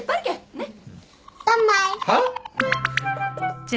ねっ？